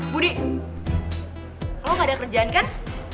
budi lo gak ada kerjaan kan